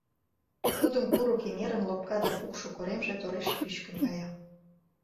Тудым курык эҥерын лопка да кукшо коремже тореш пӱчкын кая.